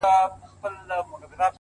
لوړ همت له ستونزو لوړ الوت کوي,